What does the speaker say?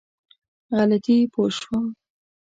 غلطي پوه شوم.